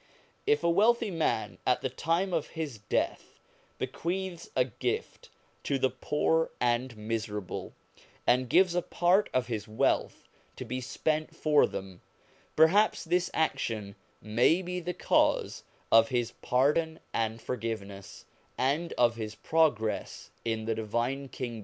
If a wealthy man at the time of his death bequeaths a gift to the poor and miserable, and gives a part of his wealth to be spent for them, perhaps this action may be the cause of his pardon and forgiveness, and of his progress in the Divine Kingdom.